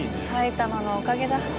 埼玉のおかげだ。